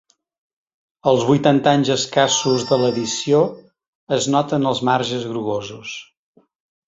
Els vuitanta anys escassos de l’edició es noten als marges grogosos.